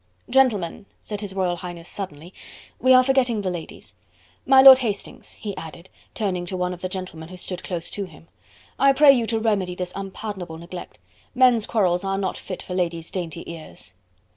"Gentlemen!" said His Royal Highness suddenly, "we are forgetting the ladies. My lord Hastings," he added, turning to one of the gentlemen who stood close to him, "I pray you to remedy this unpardonable neglect. Men's quarrels are not fit for ladies' dainty ears."